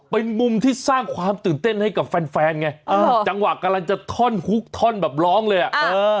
เป็นมุมที่สร้างความตื่นเต้นให้กับแฟนแฟนไงอ่าจังหวะกำลังจะท่อนฮุกท่อนแบบร้องเลยอ่ะเออ